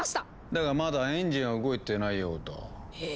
だがまだエンジンは動いてないようだ。え？